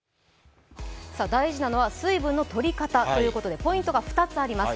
大事なのは水分の取り方ということでポイントが２つあります。